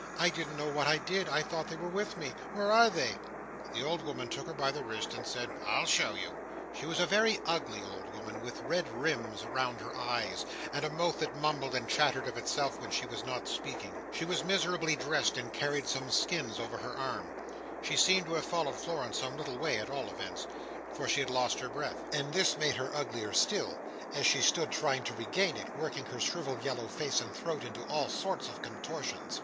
"I didn't know what I did. I thought they were with me. Where are they?" The old woman took her by the wrist, and said, "I'll show you." She was a very ugly old woman, with red rims round her eyes, and a mouth that mumbled and chattered of itself when she was not speaking. She was miserably dressed, and carried some skins over her arm. She seemed to have followed Florence some little way at all events, for she had lost her breath; and this made her uglier still, as she stood trying to regain it: working her shrivelled yellow face and throat into all sorts of contortions.